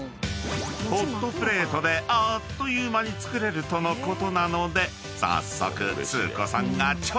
［ホットプレートであっという間に作れるとのことなので早速］